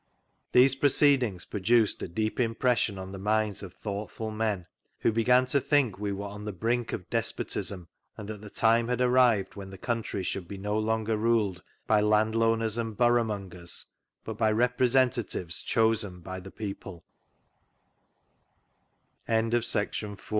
These proceedings produced a deep impression on the minds of thoughtful men, who b^an to think we were on the brink of despotism, and that the time had arrived when the country should be no longer ruled by Landowners and Borough mongers, but by repre